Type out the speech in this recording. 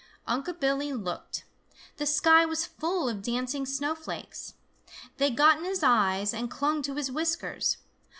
Unc' Billy looked. The sky was full of dancing snowflakes. They got in his eyes and clung to his whiskers.